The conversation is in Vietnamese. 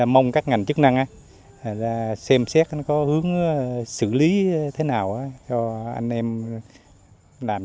mong các ngành chức năng xem xét có hướng xử lý thế nào cho anh em làm